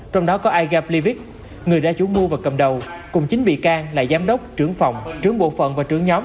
trong đó có aiga plyvic người ra chủ mua và cầm đầu cùng chính vị can là giám đốc trưởng phòng trưởng bộ phận và trưởng nhóm